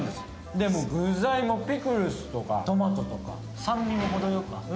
でも具材もピクルスとかトマトとか酸味もあって。